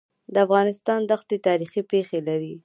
د افغانستان دښتي تاریخي پېښې لري.